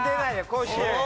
甲子園。